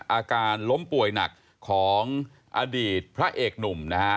อาการล้มป่วยหนักของอดีตพระเอกหนุ่มนะฮะ